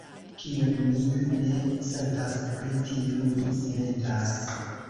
Kion mi ne sentas, pri tio mi silentas.